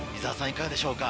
いかがでしょうか。